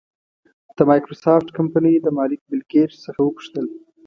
د مایکروسافټ کمپنۍ د مالک بېل ګېټس څخه وپوښتل.